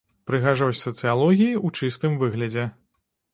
Прыгажосць сацыялогіі ў чыстым выглядзе.